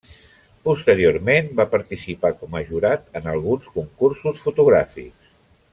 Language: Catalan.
Posteriorment va participar com a jurat en alguns concursos fotogràfics.